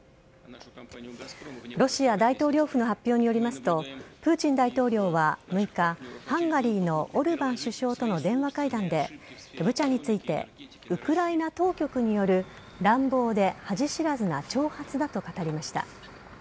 ロシア大統領府の発表によりますとプーチン大統領は、６日ハンガリーのオルバン首相との電話会談でブチャについてウクライナ当局による乱暴で恥知らずな挑発だと語りました。